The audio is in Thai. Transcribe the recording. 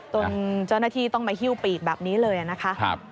จนเจ้าหน้าที่ต้องมาหิ้วปีกแบบนี้เลยนะคะ